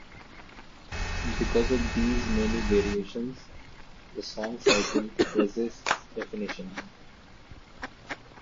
Because of these many variations, the song cycle "resists definition".